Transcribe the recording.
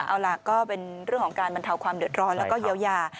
เอาล่ะก็เป็นเรื่องของการบรรเทาความเดือดร้อนแล้วก็เยียวยา